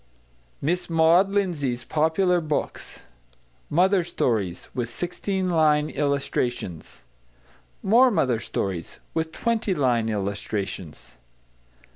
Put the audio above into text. MISS MAUD LINDSAY'S POPULAR BOOKS =Mother Stories= With 16 Line Illustrations. =More Mother Stories= With 20 Line Illustrations.